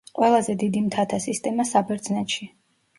ყველაზე დიდი მთათა სისტემა საბერძნეთში.